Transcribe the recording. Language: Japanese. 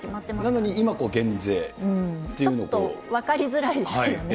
なのに今減税というのと。ちょっと分かりづらいですよね。